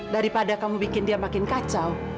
daripada kamu bikin dia makin kacau